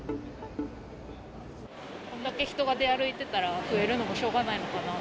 これだけ人が出歩いてたら、増えるのもしょうがないのかな。